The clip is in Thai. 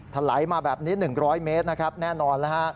ถลายมาแบบนี้๑๐๐เมตรนะครับแน่นอนแล้วฮะ